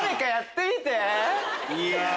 いや！